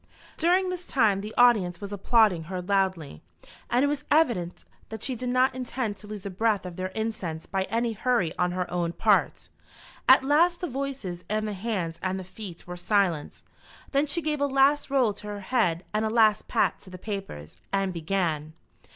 During this time the audience was applauding her loudly, and it was evident that she did not intend to lose a breath of their incense by any hurry on her own part. At last the voices and the hands and the feet were silent. Then she gave a last roll to her head and a last pat to the papers, and began.